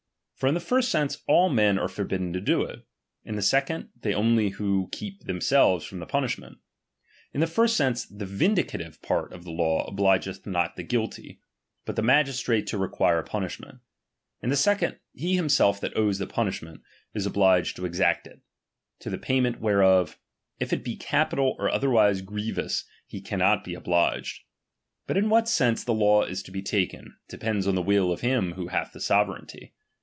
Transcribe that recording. For in the first sense, all men are ^B forbidden to do it ; in the second, they only who ^K keep ;themselve8 from the punishment. In the H first sense, the vindicative part of the law obligeth H not the guilty, but the magistrate to require H punishment ; in the second, he himself that owes ^B the punishment, is obliged to exact it ; to the pay ^ft ment whereof, if it be capital or otherwise grievous, ^r he cannot be obliged. But in what sense the law H is to be taken, depends on the will of him who H hath the sovereignty.